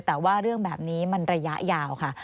แต่ว่าเรื่องแบบนี้มันระยะยาวค่ะ